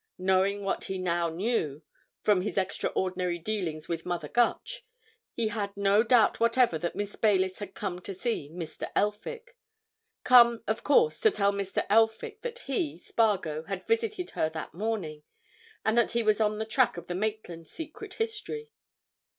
Knowing what he now knew, from his extraordinary dealings with Mother Gutch, he had no doubt whatever that Miss Baylis had come to see Mr. Elphick—come, of course, to tell Mr. Elphick that he, Spargo, had visited her that morning, and that he was on the track of the Maitland secret history.